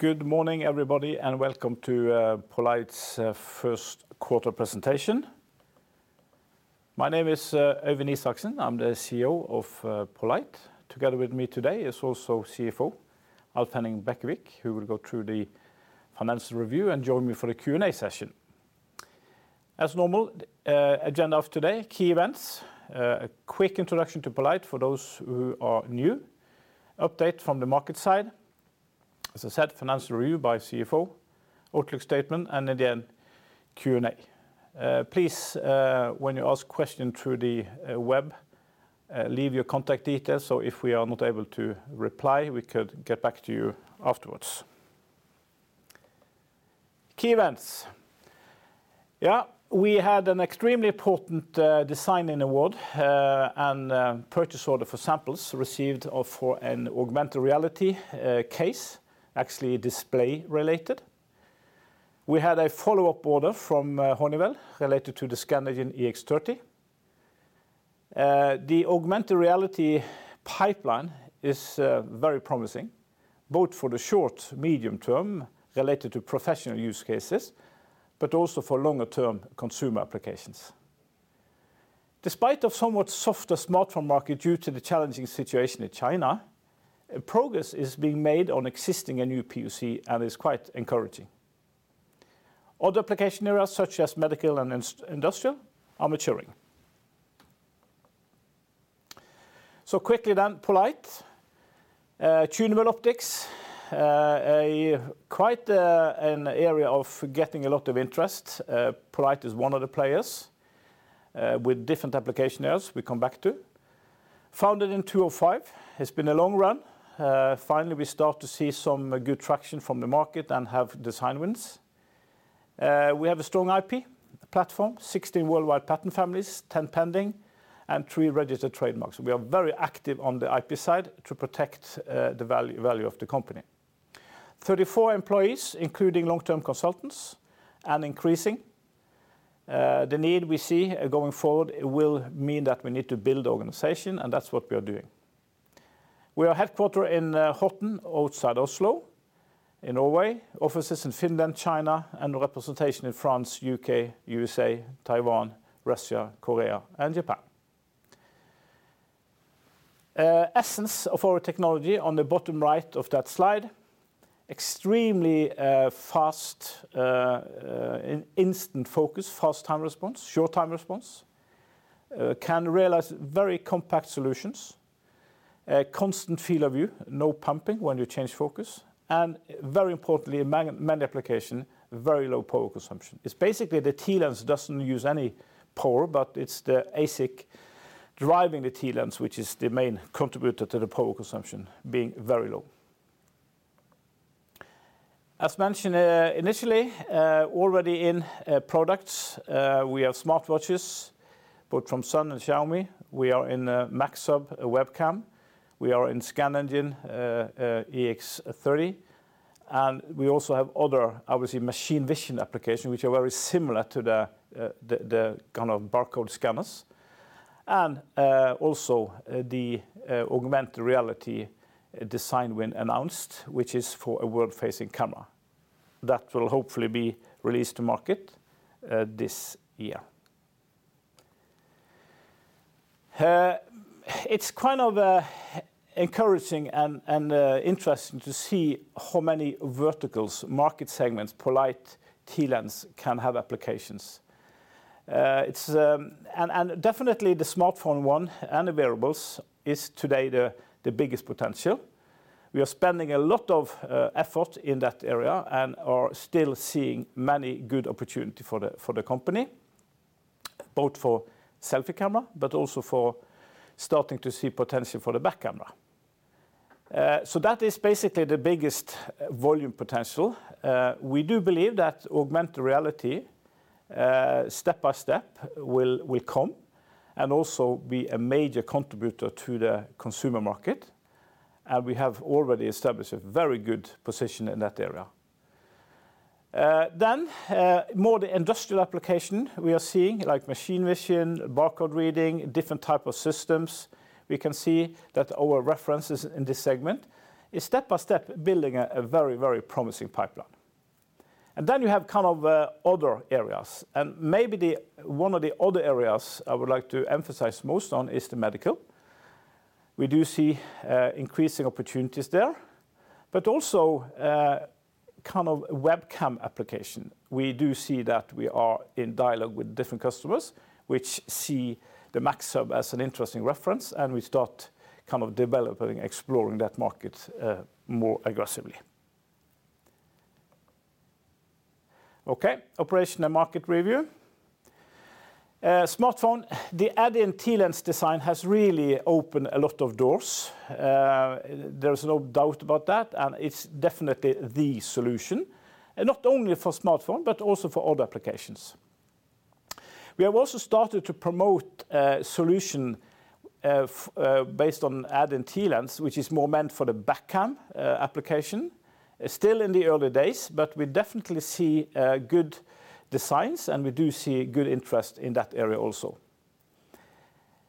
Good morning, everybody, and welcome to poLight's Q1 presentation. My name is Øyvind Isaksen. I'm the CEO of poLight. Together with me today is also CFO Alf Henning Bekkevik, who will go through the financial review and join me for the Q&A session. As normal, agenda of today, key events, a quick introduction to poLight for those who are new, update from the market side, as I said, financial review by CFO, outlook statement, and again, Q&A. Please, when you ask question through the web, leave your contact details, so if we are not able to reply, we could get back to you afterwards. Key events. Yeah, we had an extremely important design-in award and purchase order for samples received for an augmented reality case, actually display related. We had a follow-up order from Honeywell related to the ScanEngine EX-30. The augmented reality pipeline is very promising, both for the short, medium term related to professional use cases, but also for longer-term consumer applications. Despite the somewhat softer smartphone market due to the challenging situation in China, progress is being made on existing and new POC and is quite encouraging. Other application areas such as medical and industrial are maturing. Quickly then poLight. Tunable optics, a quite an area of getting a lot of interest. poLight is 1 of the players, with different application areas we come back to. Founded in 2005. It's been a long run. Finally we start to see some good traction from the market and have design wins. We have a strong IP platform, 16 worldwide patent families, 10 pending, and 3 registered trademarks. We are very active on the IP side to protect the value of the company. 34 employees, including long-term consultants and increasing. The need we see going forward will mean that we need to build the organization, and that's what we are doing. We are headquartered in Horten outside Oslo in Norway, offices in Finland, China, and representation in France, U.K., USA, Taiwan, Russia, Korea, and Japan. Essence of our technology on the bottom right of that slide, extremely fast instant focus, fast response time, short response time, can realize very compact solutions, a constant field of view, no pumping when you change focus, and very importantly in many applications, very low power consumption. It's basically the TLens doesn't use any power, but it's the ASIC driving the TLens, which is the main contributor to the power consumption being very low. As mentioned, initially, already in products, we have smartwatches, both from Suunto and Xiaomi. We are in MAXHUB, a webcam. We are in ScanEngine, EX30. We also have other, obviously, machine vision applications, which are very similar to the kind of barcode scanners. Also, the augmented reality design win announced, which is for a world-facing camera. That will hopefully be released to market this year. It's kind of encouraging and interesting to see how many verticals, market segments poLight TLens can have applications. It's definitely the smartphone 1 and the wearables is today the biggest potential. We are spending a lot of effort in that area and are still seeing many good opportunities for the company, both for selfie camera, but also for starting to see potential for the back camera. So that is basically the biggest volume potential. We do believe that augmented reality step by step will come and also be a major contributor to the consumer market, and we have already established a very good position in that area. Then more the industrial application we are seeing, like machine vision, barcode reading, different types of systems. We can see that our references in this segment is step by step building a very promising pipeline. Then you have kind of other areas, and maybe 1 of the other areas I would like to emphasize most on is the medical. We do see increasing opportunities there, but also kind of webcam application. We do see that we are in dialogue with different customers which see the MAXHUB as an interesting reference, and we start kind of developing, exploring that market, more aggressively. Okay, operation and market review. Smartphone, the add-in TLens design has really opened a lot of doors. There's no doubt about that, and it's definitely the solution, and not only for smartphone, but also for other applications. We have also started to promote a solution based on add-in TLens, which is more meant for the back cam, application. It's still in the early days, but we definitely see good designs, and we do see good interest in that area also.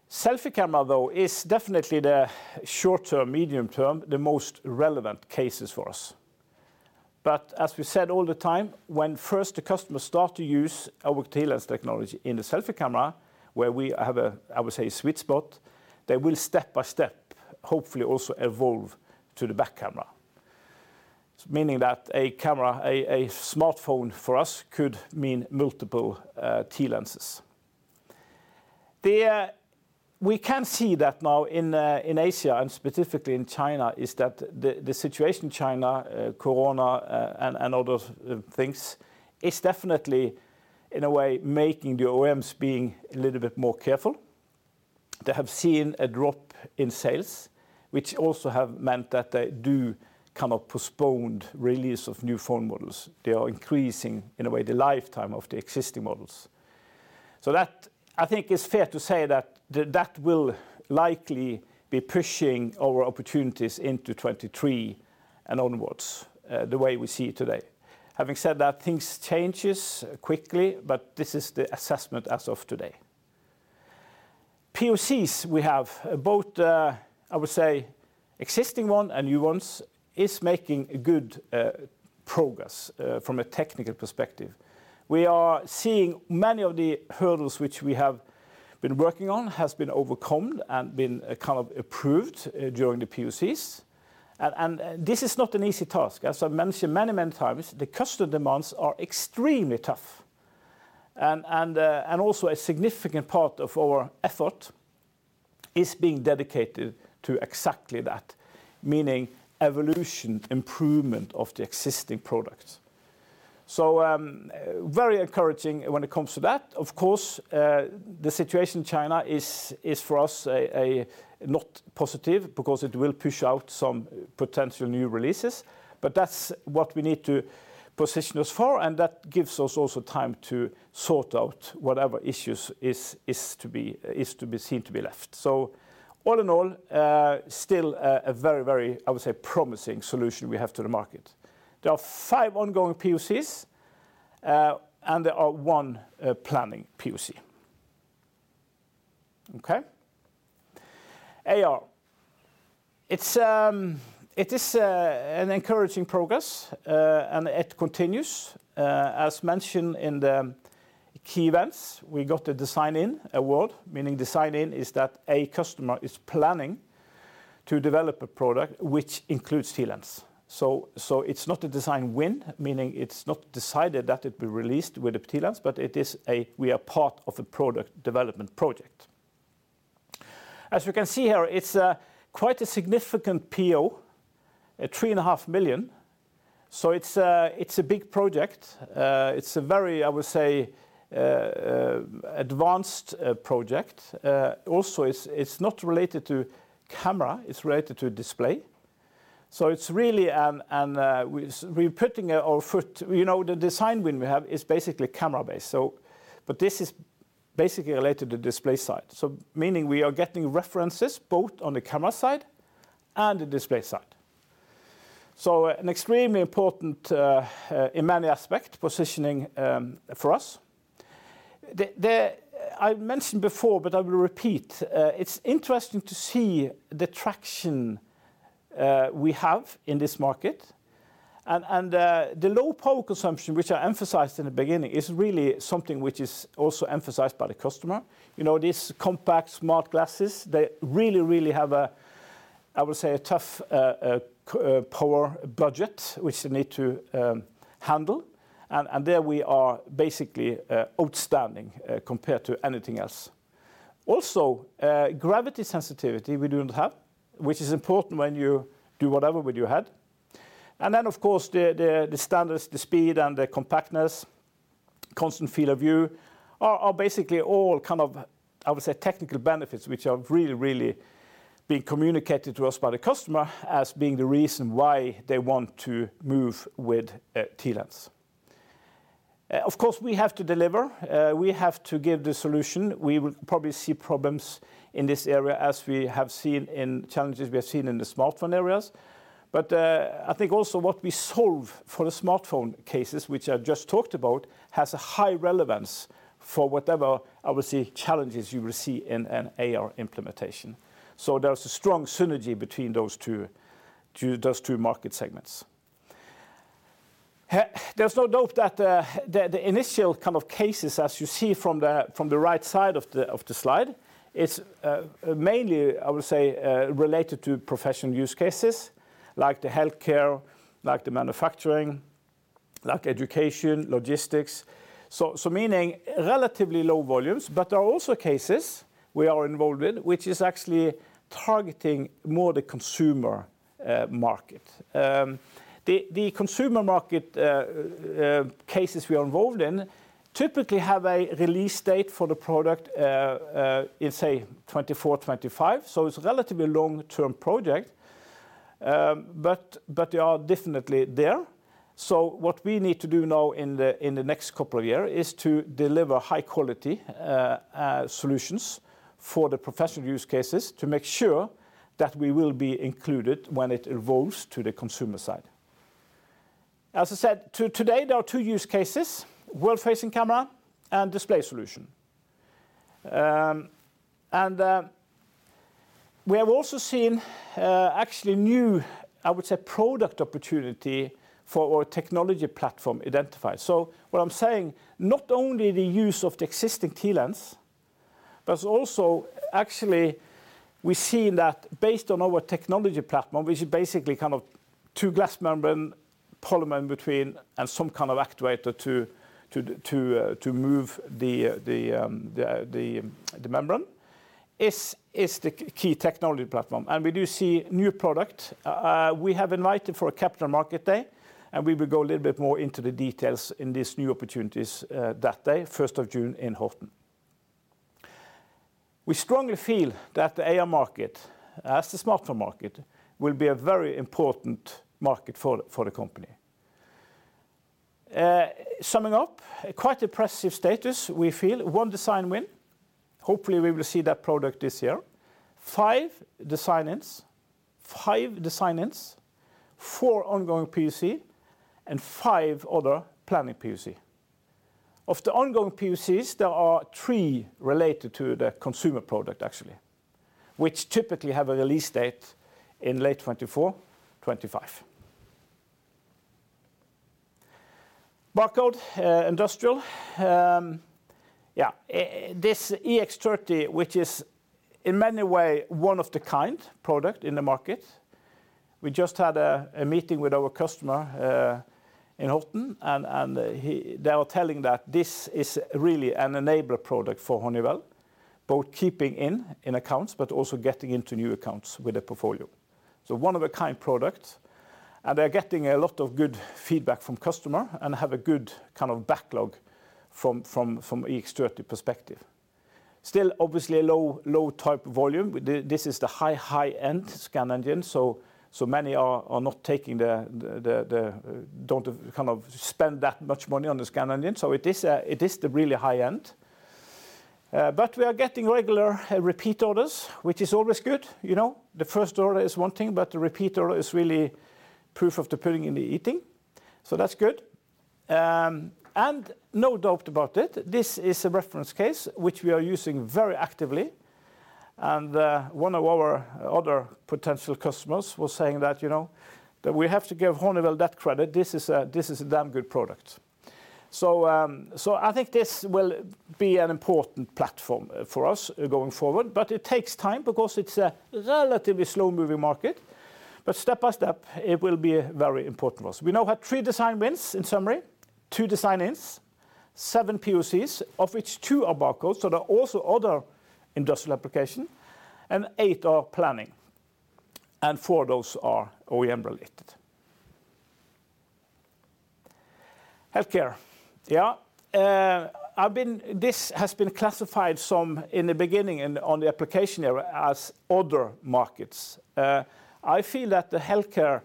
Selfie camera though is definitely the short-term, medium term, the most relevant cases for us. As we said all the time, when first the customers start to use our TLens technology in the selfie camera, where we have, I would say, sweet spot, they will step by step, hopefully also evolve to the back camera. Meaning that a smartphone for us could mean multiple TLenses. We can see that now in Asia and specifically in China. The situation in China, COVID and other things, is definitely, in a way, making the OEMs being a little bit more careful. They have seen a drop in sales, which also have meant that they do kind of postponed release of new phone models. They are increasing, in a way, the lifetime of the existing models. That, I think it's fair to say that that will likely be pushing our opportunities into 2023 and onwards, the way we see it today. Having said that, things changes quickly, but this is the assessment as of today. POCs we have both, I would say existing 1 and new ones, is making good progress from a technical perspective. We are seeing many of the hurdles which we have been working on has been overcome and been kind of approved during the POCs. Also a significant part of our effort is being dedicated to exactly that. Meaning evolution, improvement of the existing products. Very encouraging when it comes to that. Of course, the situation in China is for us a not positive because it will push out some potential new releases. That's what we need to position us for, and that gives us also time to sort out whatever issues seem to be left. All in all, still a very, I would say, promising solution we have to the market. There are 5 ongoing POCs, and there are 1 planning POC. Okay? AR. It is an encouraging progress, and it continues. As mentioned in the key events, we got a design-in award, meaning design-in is that a customer is planning to develop a product which includes TLens. It's not a design win, meaning it's not decided that it be released with the TLens, but it is; we are part of a product development project. As you can see here, it's quite a significant PO, 3.5 million. It's a big project. It's a very, I would say, advanced project. Also, it's not related to camera, it's related to display. It's really, and we're putting our foot. You know, the design win we have is basically camera-based. But this is basically related to display side. Meaning we are getting references both on the camera side and the display side. An extremely important, in many aspects, positioning for us. I've mentioned before, but I will repeat, it's interesting to see the traction we have in this market. The low power consumption, which I emphasized in the beginning, is really something which is also emphasized by the customer. You know, these compact smart glasses, they really have, I would say, a tough power budget which they need to handle. There we are basically outstanding compared to anything else. Also, gravity sensitivity we do not have, which is important when you do whatever with your head. Of course, the standards, the speed and the compactness, constant field of view, are basically all kind of, I would say, technical benefits which are really being communicated to us by the customer as being the reason why they want to move with TLens. Of course, we have to deliver. We have to give the solution. We will probably see problems in this area as we have seen in challenges we have seen in the smartphone areas. I think also what we solve for the smartphone cases, which I just talked about, has a high relevance for whatever, I would say, challenges you will see in an AR implementation. There's a strong synergy between those 2 market segments. There's no doubt that the initial kind of cases, as you see from the right side of the slide, is mainly, I would say, related to professional use cases, like the healthcare, like the manufacturing, like education, logistics. Meaning relatively low volumes, but there are also cases we are involved with which is actually targeting more the consumer market. The consumer market cases we are involved in typically have a release date for the product in say 2024, 2025. It's relatively long-term project. They are definitely there. What we need to do now in the next couple of year is to deliver high quality solutions for the professional use cases to make sure that we will be included when it evolves to the consumer side. As I said, today, there are 2 use cases, world-facing camera and display solution. We have also seen actually new, I would say, product opportunity for our technology platform identified. What I'm saying, not only the use of the existing TLens, but also actually we see that based on our technology platform, which is basically kind of 2 glass membrane, polymer in between and some kind of actuator to move the membrane, is the key technology platform. We do see new product. We have invited to a capital market day, and we will go a little bit more into the details in these new opportunities, that day, first of June in Horten. We strongly feel that the AR market, as the smartphone market, will be a very important market for the company. Summing up, quite impressive status, we feel. 1 design win. Hopefully, we will see that product this year. 5 design-ins, 4 ongoing POC, and 5 other planning POC. Of the ongoing POCs, there are 3 related to the consumer product, actually, which typically have a release date in late 2024, 2025. Barcode, industrial. This EX30, which is in many ways 1 of a kind product in the market. We just had a meeting with our customer in Horten, and they are telling that this is really an enabler product for Honeywell, both keeping in accounts, but also getting into new accounts with a portfolio. 1 of a kind product, and they're getting a lot of good feedback from customer and have a good kind of backlog from EX30 perspective. Still, obviously a low type volume. This is the high-end scan engine, so many are not taking the. They don't kind of spend that much money on the scan engine. It is the really high-end. But we are getting regular repeat orders, which is always good, you know. The first order is 1 thing, but the repeat order is really proof of the pudding in the eating. That's good. No doubt about it, this is a reference case which we are using very actively. 1 of our other potential customers was saying that, you know, that we have to give Honeywell that credit. This is a damn good product. I think this will be an important platform for us going forward, but it takes time because it's a relatively slow-moving market. Step by step, it will be very important for us. We now have 3 design wins in summary, 2 design-ins, 7 POCs, of which 2 are barcodes. There are also other industrial application. 8 are planning, and 4 of those are OEM related. Healthcare. Yeah. This has been classified some in the beginning and on the application area as other markets. I feel that the healthcare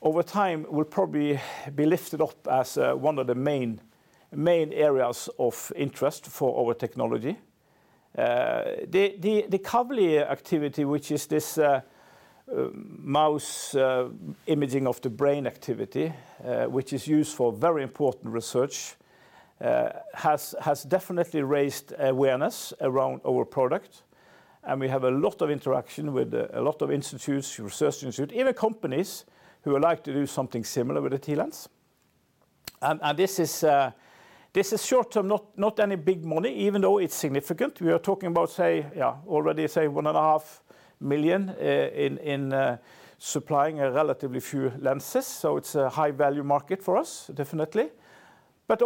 over time will probably be lifted up as 1 of the main areas of interest for our technology. The Kavli activity, which is this mouse imaging of the brain activity, which is used for very important research, has definitely raised awareness around our product, and we have a lot of interaction with a lot of institutes, research institute, even companies who would like to do something similar with the TLens. This is short-term, not any big money, even though it's significant. We are talking about 1.5 million in supplying a relatively few lenses. It's a high-value market for us, definitely. I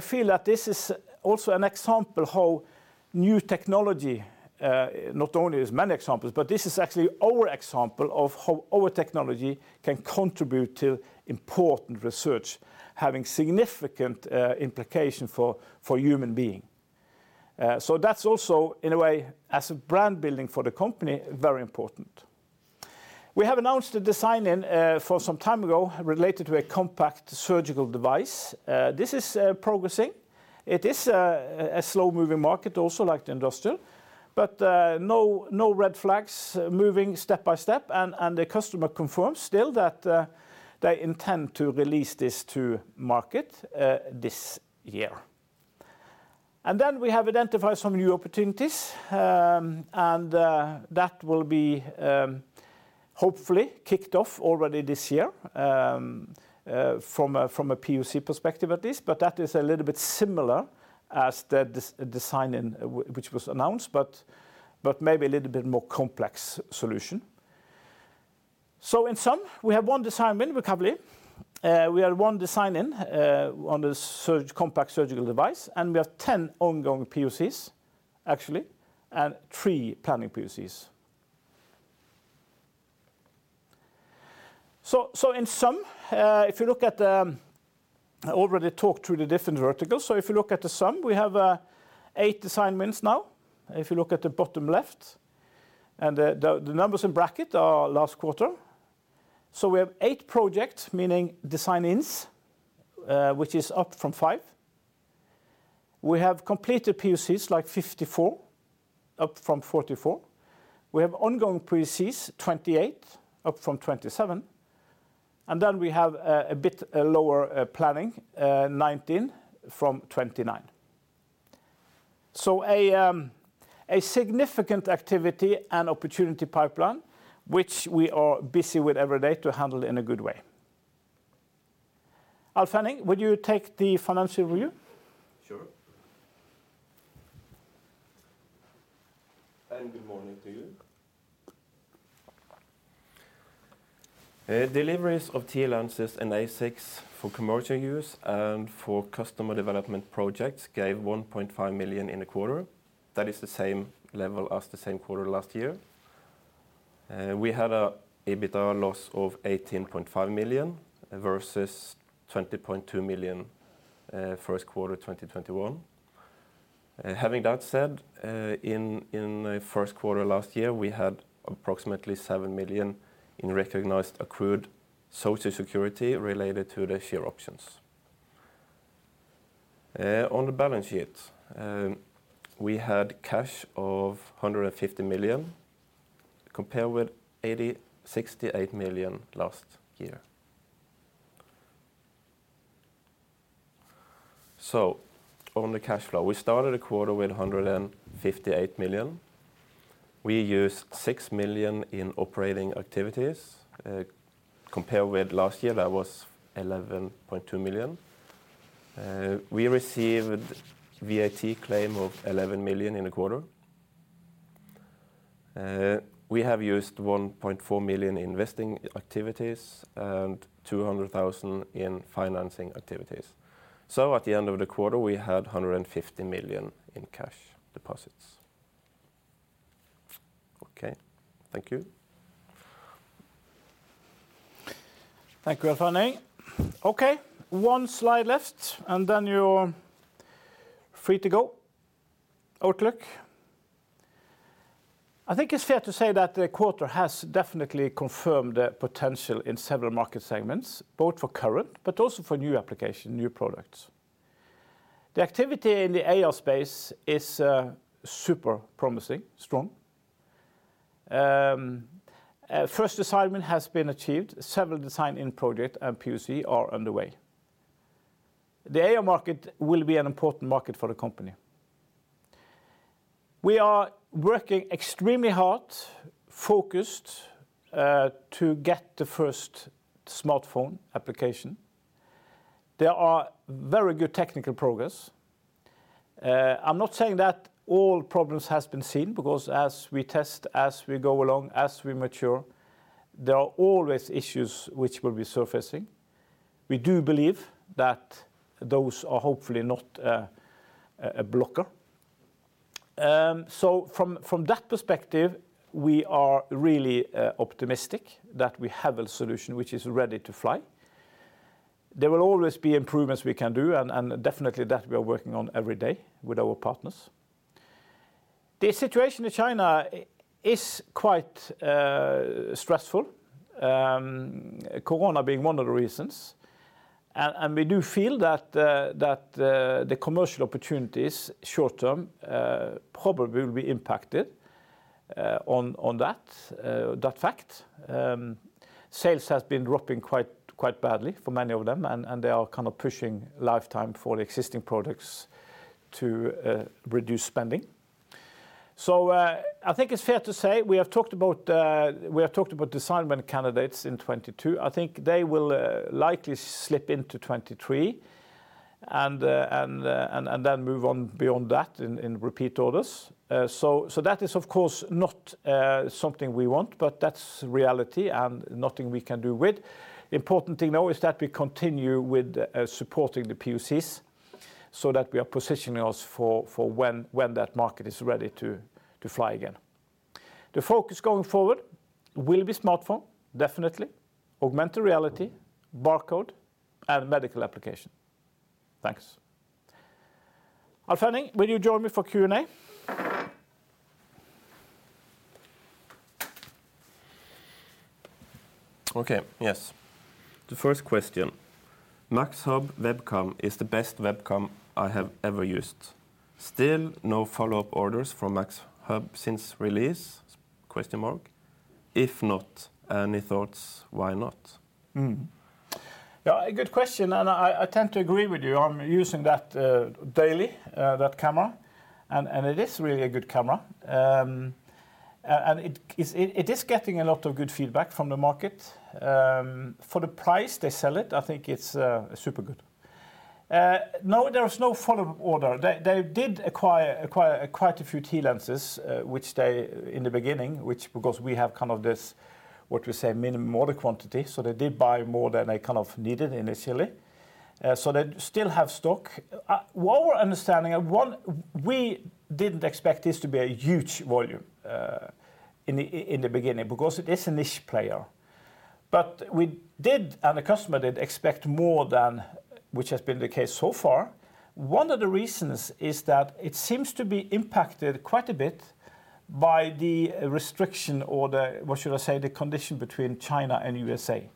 feel that this is also an example how new technology, not only is many examples, but this is actually our example of how our technology can contribute to important research, having significant implication for human being. That's also, in a way, as a brand building for the company, very important. We have announced a design-in for some time ago related to a compact surgical device. This is progressing. It is a slow-moving market also like the industrial, but no red flags, moving step by step, and the customer confirms still that they intend to release this to market this year. We have identified some new opportunities, and that will be hopefully kicked off already this year from a POC perspective at least, but that is a little bit similar as the design-in which was announced, but maybe a little bit more complex solution. In sum, we have 1 design win with Kavli. We have 1 design-in on the compact surgical device, and we have 10 ongoing POCs, actually, and 3 planning POCs. In sum, if you look at the, I already talked through the different verticals. If you look at the sum, we have 8 design wins now, if you look at the bottom left, and the numbers in brackets are last quarter. We have 8 projects, meaning design-ins, which is up from 5. We have completed POCs like 54, up from 44. We have ongoing POCs 28, up from 27. We have a bit lower planning, 19 from 29. A significant activity and opportunity pipeline, which we are busy with every day to handle in a good way. Alf Henning Bekkevik, would you take the financial review? Sure. Good morning to you. Deliveries of TLenses and ASICs for commercial use and for customer development projects gave 1.5 million in the quarter. That is the same level as the same quarter last year. We had an EBITDA loss of 18.5 million versus 20.2 million Q1 2021. Having that said, in the Q1 last year, we had approximately 7 million in recognized accrued social security related to the share options. On the balance sheet, we had cash of 150 million compared with 68 million last year. On the cash flow, we started the quarter with 158 million. We used 6 million in operating activities. Compared with last year that was 11.2 million. We received VAT claim of 11 million in the quarter. We have used 1.4 million in investing activities and 200,000 in financing activities. At the end of the quarter, we had 150 million in cash deposits. Okay, thank you. Thank you, Alf Henning. Okay, 1 slide left, and then you're free to go. Outlook. I think it's fair to say that the quarter has definitely confirmed the potential in several market segments, both for current but also for new application, new products. The activity in the AR space is super promising, strong. First assignment has been achieved. Several design-in project and POC are underway. The AR market will be an important market for the company. We are working extremely hard, focused, to get the first smartphone application. There are very good technical progress. I'm not saying that all problems has been seen because as we test, as we go along, as we mature, there are always issues which will be surfacing. We do believe that those are hopefully not a blocker. From that perspective, we are really optimistic that we have a solution which is ready to fly. There will always be improvements we can do and definitely that we are working on every day with our partners. The situation in China is quite stressful, Corona being 1 of the reasons. We do feel that the commercial opportunities short-term probably will be impacted on that fact. Sales has been dropping quite badly for many of them, and they are kind of pushing lifetime for the existing products to reduce spending. I think it's fair to say we have talked about design win candidates in 2022. I think they will likely slip into 2023 and then move on beyond that in repeat orders. That is of course not something we want, but that's reality and nothing we can do with. Important thing though is that we continue with supporting the POCs so that we are positioning ourselves for when that market is ready to fly again. The focus going forward will be smartphone, definitely, augmented reality, barcode, and medical application. Thanks. Alf Henning, will you join me for Q&A? Okay. Yes. The first question. MAXHUB webcam is the best webcam I have ever used. Still no follow-up orders from MAXHUB since release? If not, any thoughts why not? Yeah, a good question. I tend to agree with you. I'm using that daily, that camera, and it is really a good camera. It is getting a lot of good feedback from the market. For the price they sell it, I think it's super good. No, there is no follow-on order. They did acquire quite a few TLenses, which, in the beginning, because we have kind of this, what we say, minimum order quantity, so they did buy more than they kind of needed initially. They still have stock. What we're understanding, we didn't expect this to be a huge volume in the beginning because it is a niche player. We did, and the customer did expect more than which has been the case so far. 1 of the reasons is that it seems to be impacted quite a bit by the restriction or the, what should I say, the condition between China and USA.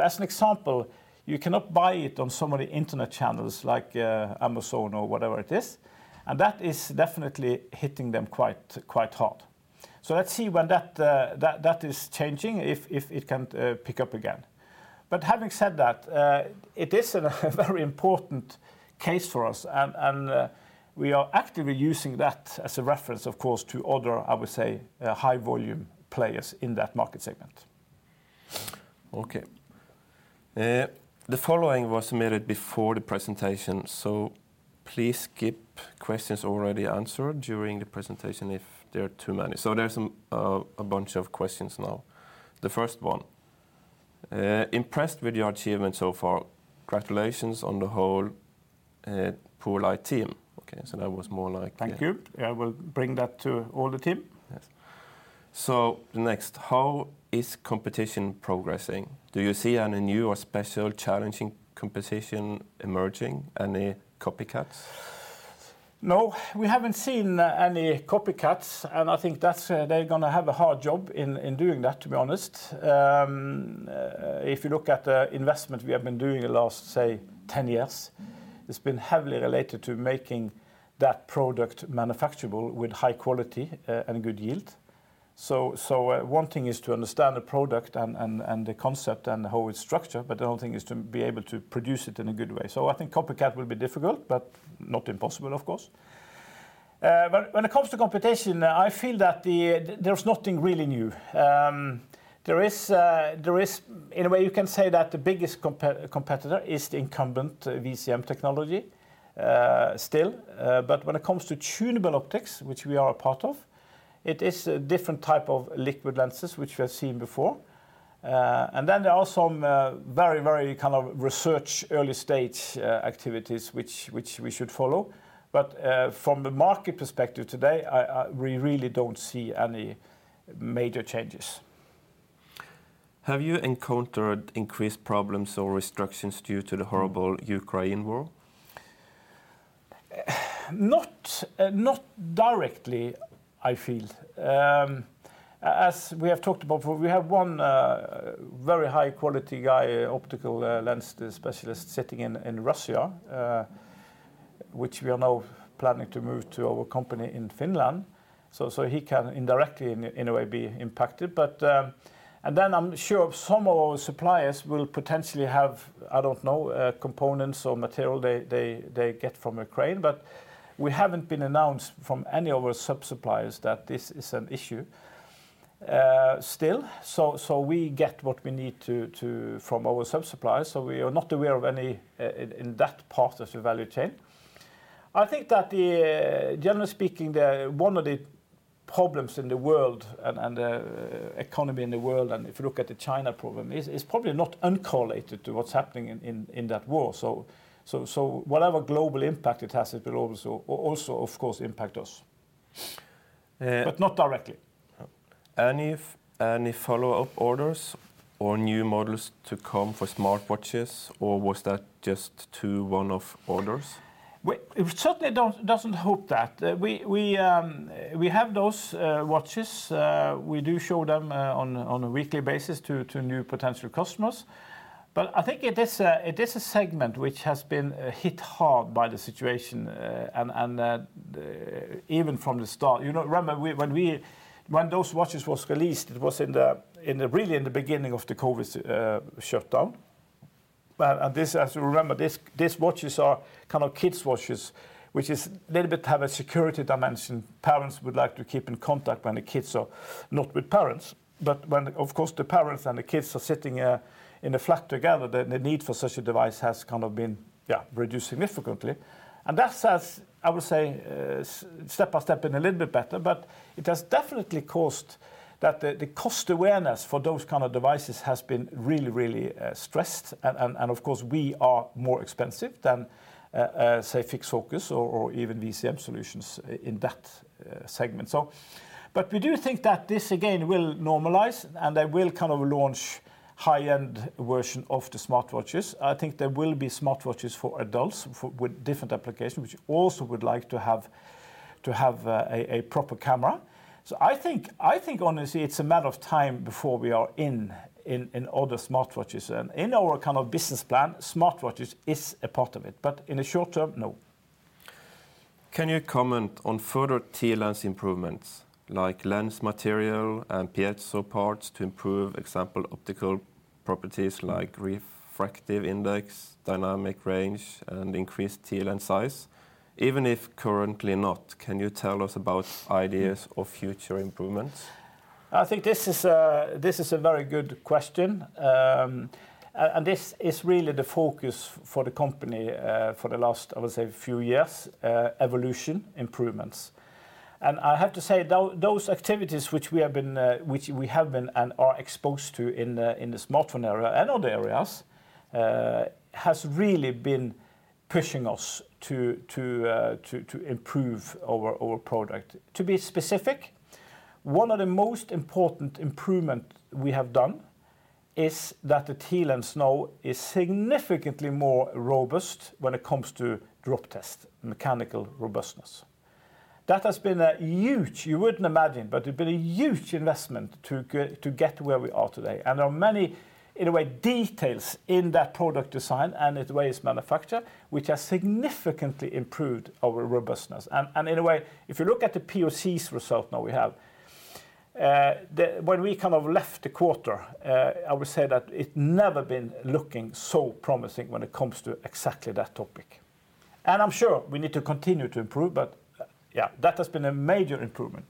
As an example, you cannot buy it on so many internet channels like Amazon or whatever it is, and that is definitely hitting them quite hard. Let's see when that is changing if it can pick up again. Having said that, it is a very important case for us and we are actively using that as a reference of course to other, I would say, high volume players in that market segment. Okay. The following was submitted before the presentation, so please skip questions already answered during the presentation if there are too many. There's a bunch of questions now. The first 1, "Impressed with your achievement so far. Congratulations on the whole poLight team." Okay. That was more like. Thank you. I will bring that to all the team. Yes. Next, "How is competition progressing? Do you see any new or especially challenging competition emerging? Any copycats? No, we haven't seen any copycats, and I think that's, they're gonna have a hard job in doing that, to be honest. If you look at the investment we have been doing the last, say, 10 years, it's been heavily related to making that product manufacturable with high quality, and good yield. 1 thing is to understand the product and the concept and how it's structured, but the whole thing is to be able to produce it in a good way. I think copycat will be difficult, but not impossible of course. When it comes to competition, I feel that there's nothing really new. In a way you can say that the biggest competitor is the incumbent VCM technology, still. When it comes to tunable optics, which we are a part of, it is a different type of liquid lenses, which we have seen before. Then there are some very kind of research early stage activities which we should follow. From the market perspective today, we really don't see any major changes. Have you encountered increased problems or restrictions due to the horrible Ukraine war? Not directly, I feel. As we have talked about, we have one very high quality guy, optical lens specialist sitting in Russia, which we are now planning to move to our company in Finland, so he can indirectly in a way be impacted. I'm sure some of our suppliers will potentially have, I don't know, components or material they get from Ukraine. We haven't been notified by any of our sub-suppliers that this is an issue, still. We get what we need from our sub-suppliers. We are not aware of any in that part of the value chain. I think that the, generally speaking, the 1 of the problems in the world and economy in the world, and if you look at the China problem is probably not uncorrelated to what's happening in that war. Whatever global impact it has, it will also of course impact us. Uh- Not directly. Any follow-up orders or new models to come for smartwatches or was that just to 1-off orders? We certainly don't hope that. We have those watches. We do show them on a weekly basis to new potential customers. I think it is a segment which has been hit hard by the situation and even from the start. You know, remember when those watches was released, it was really in the beginning of the COVID shutdown. As you remember, these watches are kind of kids watches, which is little bit have a security dimension. Parents would like to keep in contact when the kids are not with parents. When of course the parents and the kids are sitting in a flat together, the need for such a device has kind of been reduced significantly. That has, I would say, step by step been a little bit better, but it has definitely caused that the cost awareness for those kind of devices has been really stressed. Of course we are more expensive than, say fixed focus or even VCM solutions in that segment. But we do think that this again will normalize, and they will kind of launch high-end version of the smartwatches. I think there will be smartwatches for adults with different applications, which also would like to have a proper camera. I think honestly it's a matter of time before we are in all the smartwatches. In our kind of business plan, smartwatches is a part of it, but in the short term, no. Can you comment on further TLens improvements like lens material and piezo parts to improve, example, optical properties like refractive index, dynamic range, and increased TLens size? Even if currently not, can you tell us about ideas of future improvements? I think this is a very good question. This is really the focus for the company for the last, I would say, few years, evolution improvements. I have to say those activities which we have been and are exposed to in the smartphone area and other areas has really been pushing us to improve our product. To be specific, 1 of the most important improvement we have done is that the TLens now is significantly more robust when it comes to drop test, mechanical robustness. That has been a huge, you wouldn't imagine, but it's been a huge investment to get where we are today. There are many, in a way, details in that product design and the way it's manufactured, which has significantly improved our robustness. In a way, if you look at the POCs result now we have, when we kind of left the quarter, I would say that it never been looking so promising when it comes to exactly that topic. I'm sure we need to continue to improve, but, yeah, that has been a major improvement.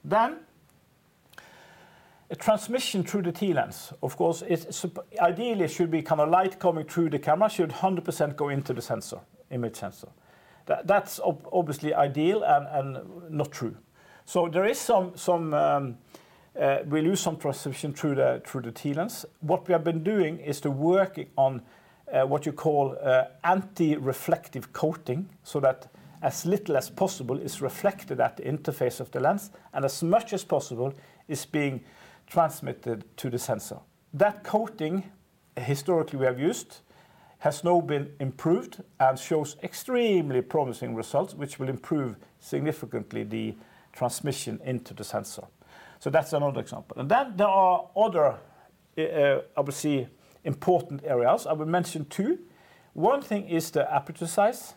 A transmission through the TLens, of course, ideally it should be kind of light coming through the camera should 100% go into the sensor, image sensor. That's obviously ideal and not true. There is some we lose some transmission through the TLens. What we have been doing is to work on, what you call, anti-reflective coating, so that as little as possible is reflected at the interface of the lens, and as much as possible is being transmitted to the sensor. That coating, historically we have used, has now been improved and shows extremely promising results, which will improve significantly the transmission into the sensor. That's another example. There are other, obviously important areas. I will mention 2. 1 thing is the aperture size.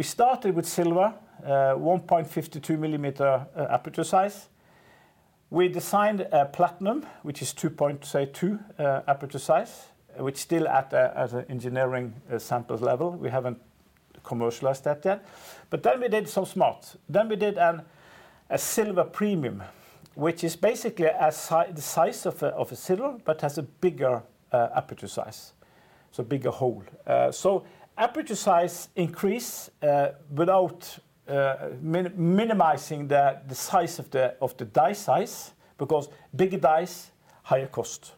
We started with Silver, 1.52 millimeter, aperture size. We designed a Platinum, which is 2.2, say, aperture size, which still at a, as an engineering samples level. We haven't commercialized that yet. We did some smart. We did a Silver Premium, which is basically the size of a Silver, but has a bigger aperture size, so bigger hole. Aperture size increase without minimizing the size of the die size, because bigger dies, higher cost.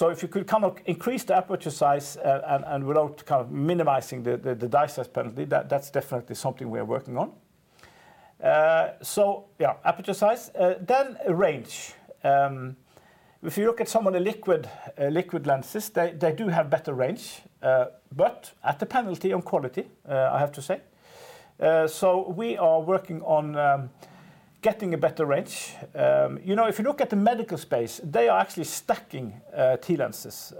If you could kind of increase the aperture size and without kind of minimizing the die size penalty, that's definitely something we are working on. Yeah, aperture size. Range. If you look at some of the liquid lenses, they do have better range, but at the penalty on quality, I have to say. We are working on getting a better range. You know, if you look at the medical space, they are actually stacking TLenses.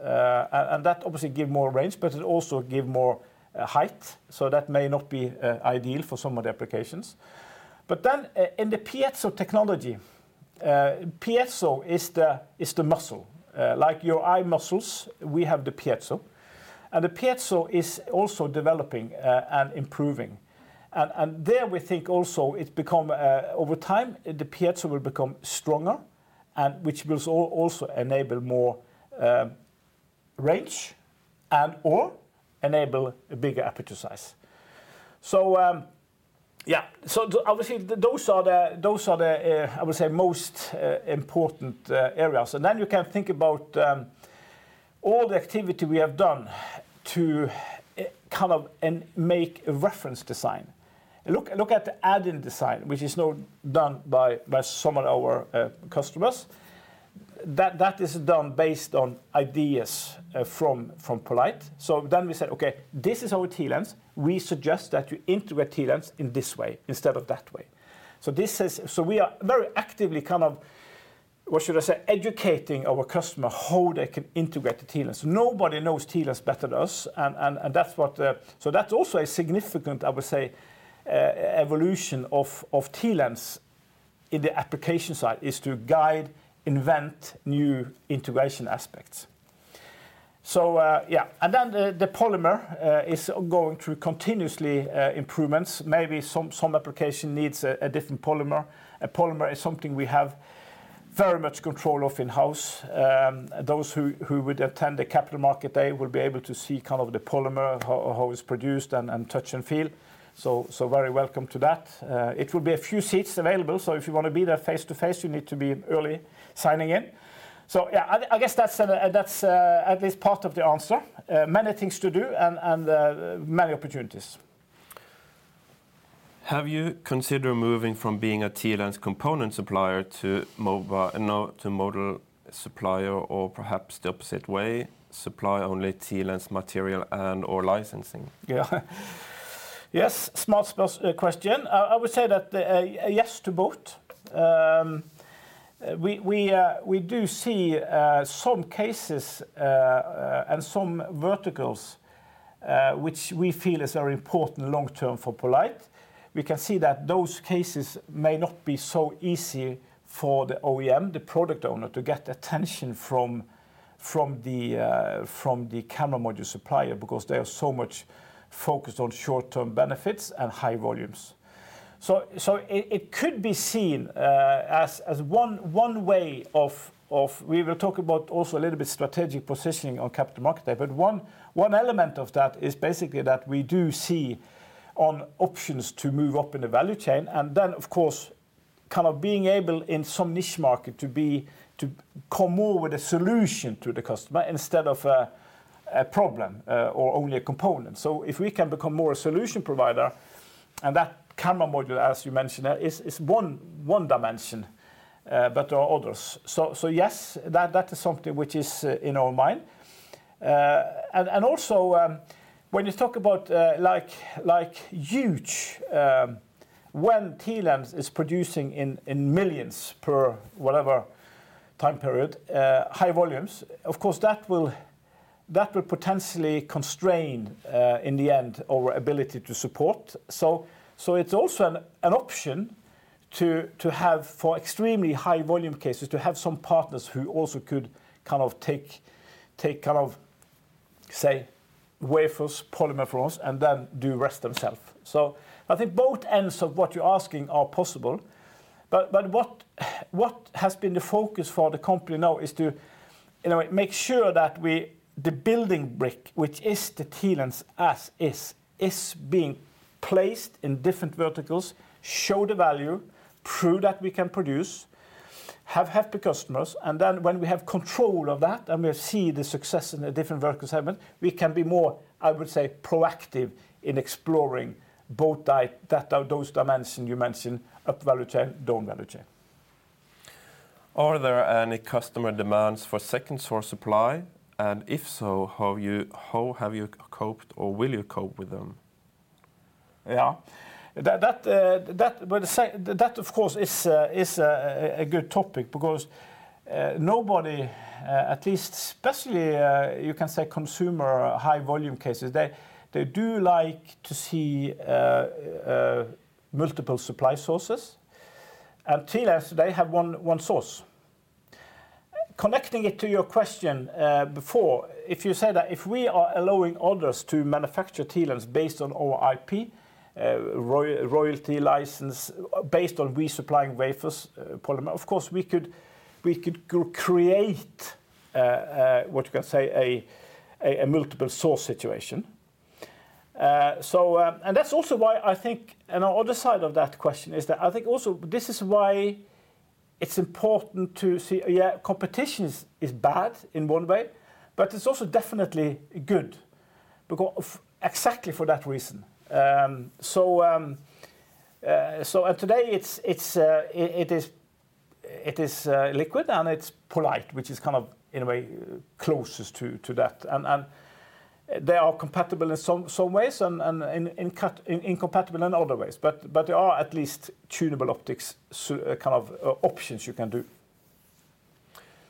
That obviously give more range, but it also give more height. That may not be ideal for some of the applications. In the piezo technology, piezo is the muscle. Like your eye muscles, we have the piezo. The piezo is also developing and improving. There we think also it become over time, the piezo will become stronger and which will also enable more range and or enable a bigger aperture size. Yeah. Obviously those are the I would say most important areas. Then you can think about all the activity we have done to kind of and make a reference design. Look at the add-in design, which is now done by some of our customers. That is done based on ideas from poLight. We said, "Okay, this is our TLens. We suggest that you integrate TLens in this way instead of that way." We are very actively educating our customer how they can integrate the TLens. Nobody knows TLens better than us, and that's what. That's also a significant, I would say, evolution of TLens in the application side, is to guide, invent new integration aspects. Yeah. The polymer is going through continuous improvements. Maybe some application needs a different polymer. A polymer is something we have very much control of in-house. Those who would attend the capital market, they will be able to see kind of the polymer, how it's produced, and touch and feel. Very welcome to that. It will be a few seats available, so if you wanna be there face-to-face, you need to be early signing in. Yeah, I guess that's at least part of the answer. Many things to do and many opportunities. Have you considered moving from being a TLens component supplier to module supplier or perhaps the opposite way, supply only TLens material and/or licensing? Yes, smart question. I would say that a yes to both. We do see some cases and some verticals which we feel is very important long term for poLight. We can see that those cases may not be so easy for the OEM, the product owner, to get attention from the camera module supplier because they are so much focused on short-term benefits and high volumes. So it could be seen as 1 way. We will talk about also a little bit strategic positioning on Capital Markets Day. 1 element of that is basically that we do see options to move up in the value chain and then of course kind of being able in some niche market to come more with a solution to the customer instead of a problem or only a component. If we can become more a solution provider, and that camera module, as you mentioned, is 1 dimension, but there are others. Yes, that is something which is in our mind. And also, when you talk about like huge, when TLens is producing in millions per whatever time period, high volumes, of course, that will potentially constrain in the end our ability to support. It's also an option to have for extremely high volume cases to have some partners who also could kind of take kind of say wafers polymer from us, and then do rest themselves. I think both ends of what you're asking are possible. What has been the focus for the company now is to, you know, make sure that the building block, which is the TLens as is being placed in different verticals, show the value, prove that we can produce, have happy customers, and then when we have control of that, and we see the success in the different vertical segment, we can be more, I would say, proactive in exploring both those dimensions you mentioned, up value chain, down value chain. Are there any customer demands for second source supply? If so, how have you coped or will you cope with them? That of course is a good topic because nobody, at least especially, you can say consumer high volume cases, they do like to see multiple supply sources. TLens today have 1 source. Connecting it to your question before, if you say that if we are allowing others to manufacture TLens based on our IP, royalty license based on resupplying wafers, polymer, of course, we could go create what you can say a multiple source situation. That's also why I think, and our other side of that question is that I think also this is why it's important to see, yeah, competition is bad in 1 way, but it's also definitely good exactly for that reason. Today, it is liquid and it's poLight, which is kind of in a way closest to that. They are compatible in some ways and incompatible in other ways. There are at least tunable optics kind of options you can do.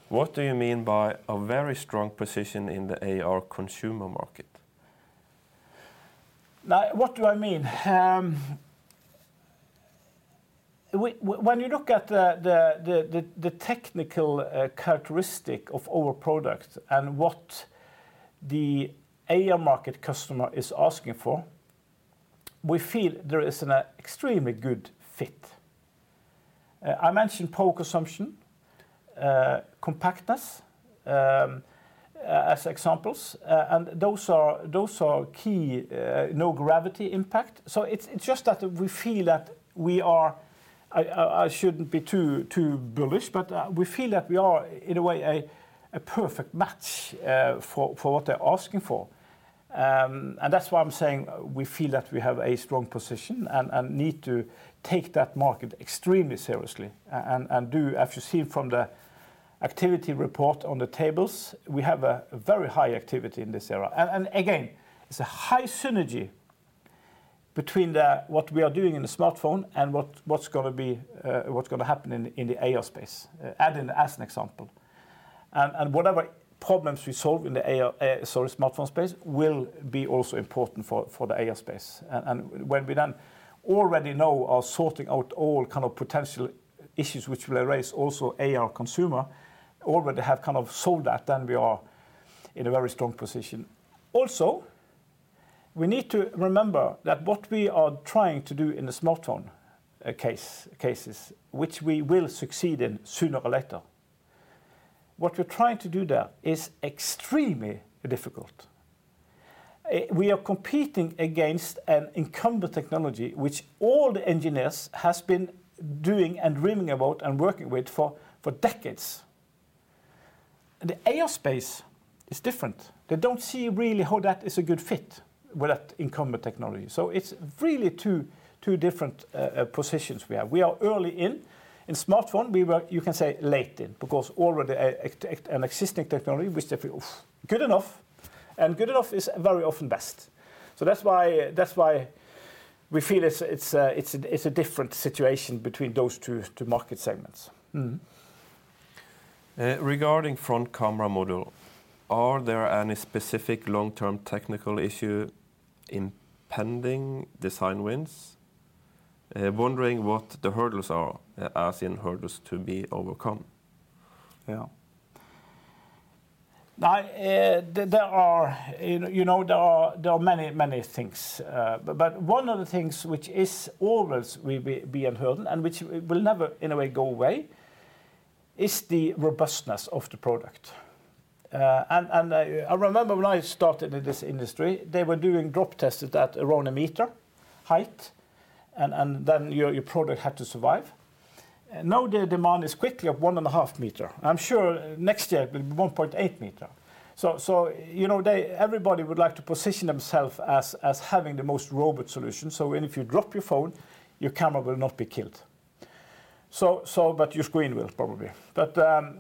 What do you mean by a very strong position in the AR consumer market? Now, what do I mean? When you look at the technical characteristic of our product and what the AR market customer is asking for, we feel there is an extremely good fit. I mentioned power consumption, compactness, as examples. Those are key, no gravity impact. It's just that we feel that we are. I shouldn't be too bullish, but we feel that we are in a way a perfect match for what they're asking for. That's why I'm saying we feel that we have a strong position and need to take that market extremely seriously and, as you see from the activity report on the tables, we have a very high activity in this area. Again, it's a high synergy between what we are doing in the smartphone and what's gonna happen in the AR space, added as an example. Whatever problems we solve in the smartphone space will also be important for the AR space. When we then already know we are sorting out all kinds of potential issues which will arise in the AR consumer space we already have kind of solved that, then we are in a very strong position. Also, we need to remember that what we are trying to do in the smartphone cases, which we will succeed in sooner or later, what we're trying to do there is extremely difficult. We are competing against an incumbent technology which all the engineers have been doing and dreaming about and working with for decades. The AR space is different. They don't see really how that is a good fit with that incumbent technology. It's really 2 different positions we have. We are early in. In smartphone, we were, you can say, late in because already an existing technology which they feel good enough, and good enough is very often best. That's why we feel it's a different situation between those 2 market segments. Regarding front camera model, are there any specific long-term technical issue in pending design wins? Wondering what the hurdles are, as in hurdles to be overcome. Yeah. Now, there are, you know, there are many things. But 1 of the things which is always will be a hurdle and which will never in a way go away is the robustness of the product. And I remember when I started in this industry, they were doing drop tests at around a meter height and then your product had to survive. Now the demand is quickly at 1.5 meter. I'm sure next year it will be 1.8 meter. So, you know, they, everybody would like to position themselves as having the most robust solution. So when if you drop your phone, your camera will not be killed. So but your scree n will probably. That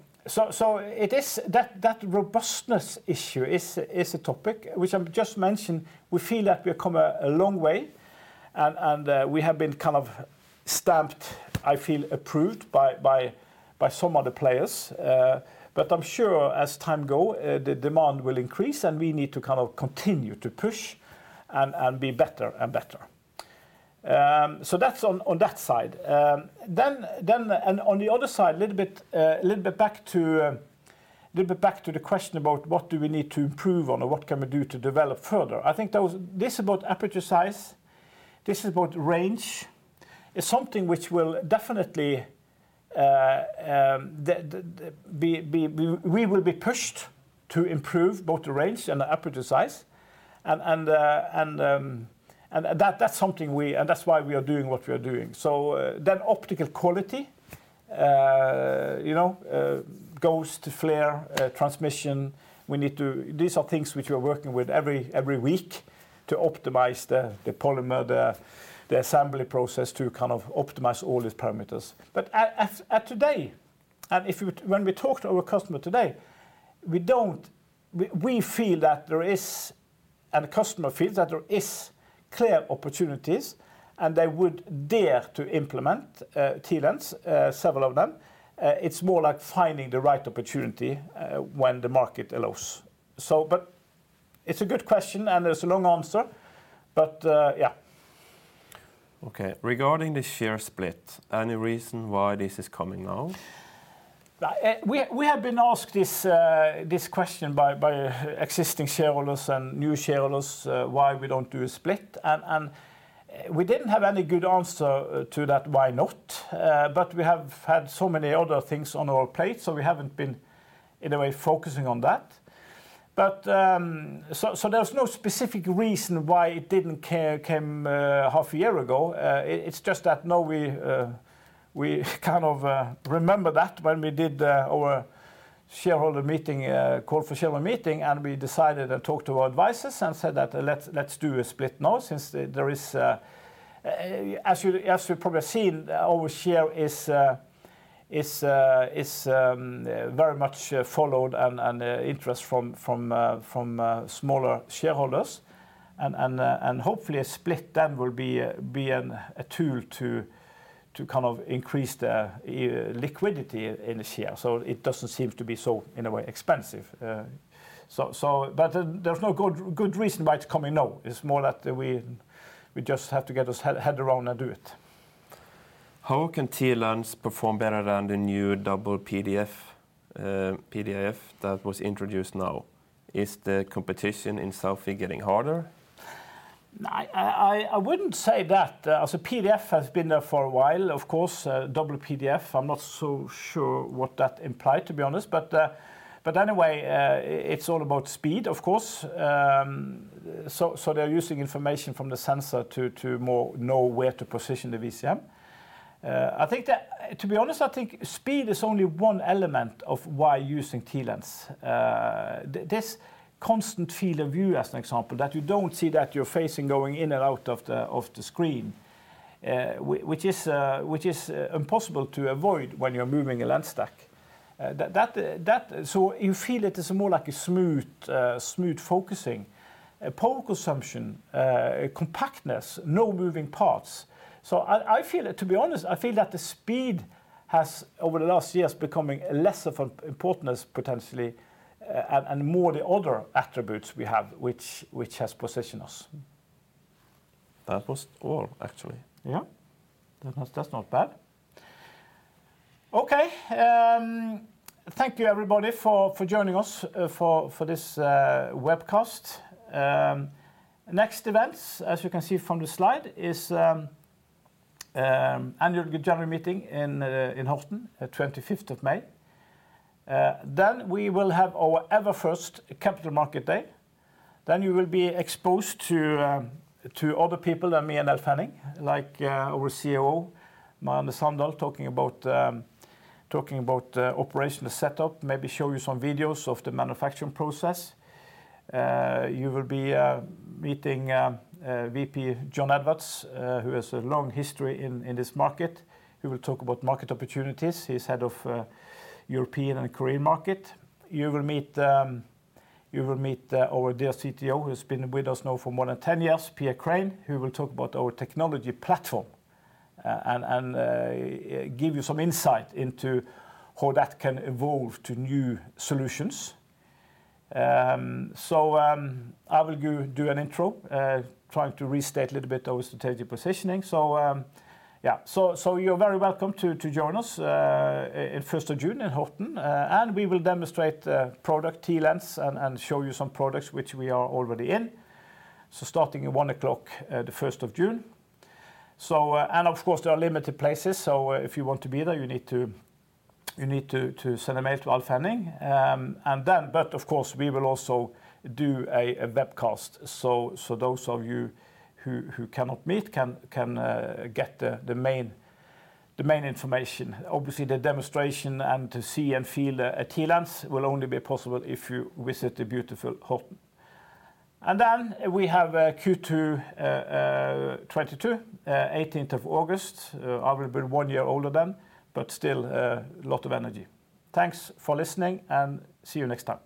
robustness issue is a topic which I've just mentioned. We feel that we have come a long way and we have been kind of stamped, I feel approved by some of the players. I'm sure as time goes, the demand will increase, and we need to kind of continue to push and be better and better. That's on that side. On the other side, little bit back to the question about what do we need to improve on or what can we do to develop further. I think this is about aperture size, this is about range. We will be pushed to improve both the range and the aperture size. That's why we are doing what we are doing. Optical quality goes to flare, transmission. We need to. These are things which we are working with every week to optimize the polymer, the assembly process to kind of optimize all these parameters. Today, when we talk to our customer today, we feel that there is, and the customer feels that there is clear opportunities, and they would dare to implement TLens, several of them. It's more like finding the right opportunity, when the market allows. It's a good question, and there's a long answer. Yeah. Okay. Regarding the share split, any reason why this is coming now? We have been asked this question by existing shareholders and new shareholders why we don't do a split. We didn't have any good answer to that, why not. We have had so many other things on our plate so we haven't been, in a way, focusing on that. There's no specific reason why it didn't occur half a year ago. It's just that now we kind of remember that when we did our shareholder meeting call for shareholder meeting and we decided and talked to our advisors and said that, "Let's do a split now," since there is, as you've probably seen, our share is very much followed and interest from smaller shareholders. Hopefully a split then will be a tool to kind of increase the liquidity in the share. It doesn't seem to be so, in a way, expensive. But there's no good reason why it's coming now. It's more that we just have to get our head around and do it. How can TLens perform better than the new dual PDAF that was introduced now? Is the competition in selfie getting harder? I wouldn't say that. PDAF has been there for a while, of course. Dual PDAF, I'm not so sure what that implied, to be honest. Anyway, it's all about speed, of course. They're using information from the sensor to more know where to position the VCM. I think that, to be honest, I think speed is only 1 element of why using TLens. This constant field of view, as an example, that you don't see that you're facing going in and out of the screen, which is impossible to avoid when you're moving a lens stack. That. You feel it is more like a smooth focusing. Power consumption, compactness, no moving parts. I feel it. To be honest, I feel that the speed has, over the last years, become less important potentially, and more the other attributes we have, which has positioned us. That was all, actually. Yeah. That was just not bad. Okay, thank you everybody for joining us for this webcast. Next events, as you can see from the slide, is annual general meeting in Horten at twenty-fifth of May. We will have our very first capital market day. You will be exposed to other people than me and Alf Henning, like our COO, Marianne Sandal, talking about operational setup, maybe show you some videos of the manufacturing process. You will be meeting VP Jon Edwards, who has a long history in this market. He will talk about market opportunities. He's head of European and Korean market. You will meet our dear CTO, who has been with us now for more than 10 years, Pierre Craen, who will talk about our technology platform and give you some insight into how that can evolve to new solutions. I will go do an intro trying to restate a little bit our strategic positioning. You're very welcome to join us in 1st of June in Horten, and we will demonstrate the product TLens and show you some products which we are already in. Starting at 1:00 P.M. at the 1st of June. And of course, there are limited places, so if you want to be there, you need to send an email to Alf Henning. Of course, we will also do a webcast. Those of you who cannot meet can get the main information. Obviously, the demonstration and to see and feel the TLens will only be possible if you visit the beautiful Horten. We have Q2 2022, 18th of August. I will be 1 year older then, but still a lot of energy. Thanks for listening and see you next time.